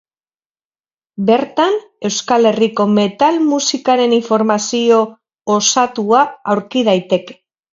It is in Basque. Bertan Euskal Herriko metal musikaren informazio osatua aurki daiteke.